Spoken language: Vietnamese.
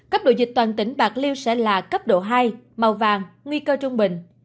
cấp độ dịch toàn tỉnh bạc liêu sẽ là cấp độ hai màu vàng nguy cơ trung bình